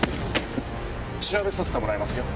調べさせてもらいますよ。